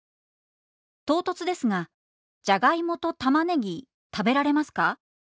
唐突ですがじゃがいもと玉ねぎ食べられますか？